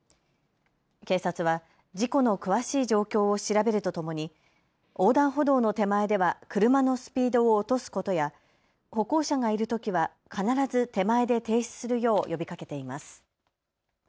警察は事故の詳しい状況を調べるとともに横断歩道の手前では車のスピードを落とすことや歩行者がいるときは必ず手前で停止するよう呼びかけています。